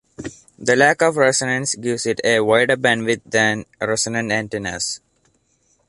The lack of resonance gives it a wider bandwidth than resonant antennas.